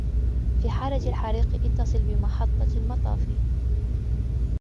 في حالة الحريق ، اتصل بمحظة المطافي.